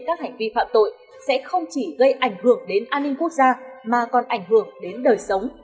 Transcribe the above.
các hành vi phạm tội sẽ không chỉ gây ảnh hưởng đến an ninh quốc gia mà còn ảnh hưởng đến đời sống